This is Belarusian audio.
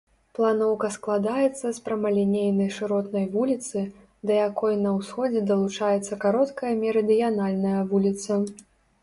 Планоўка складаецца з прамалінейнай шыротнай вуліцы, да якой на ўсходзе далучаецца кароткая мерыдыянальная вуліца.